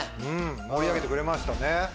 盛り上げてくれましたね。